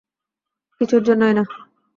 কিছুর জন্যই না।